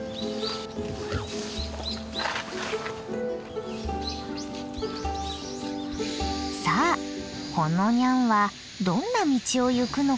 さあこのニャンはどんな道をゆくのかな？